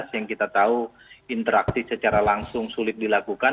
yang kita tahu interaksi secara langsung sulit dilakukan